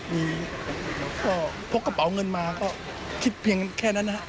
มีก็พกกระเป๋าเงินมาก็คิดเพียงแค่นั้นนะครับ